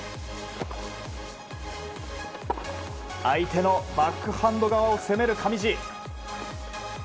相手のバックハンド側を攻める上地。